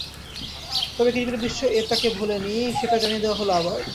তবে ক্রিকেট বিশ্ব এ তাঁকে ভোলেনি, সেটা জানিয়ে দেওয়া হলো আবার।